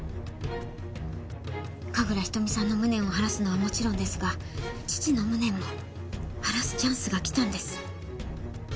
神楽瞳さんの無念を晴らすのはもちろんですが父の無念も晴らすチャンスが来たんです。